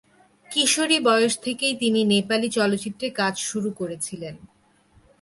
কিশোরী বয়স থেকেই তিনি নেপালি চলচ্চিত্রে কাজ শুরু করেছিলেন।